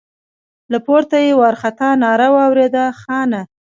له پورته يې وارخطا ناره واورېده: خانه!